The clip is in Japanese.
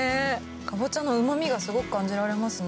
カボチャのうま味がすごく感じられますね。